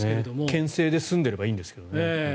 けん制で済んでいればいいんですけどね。